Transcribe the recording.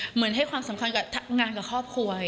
เหมือนให้ความสำคัญกับงานกับครอบครัว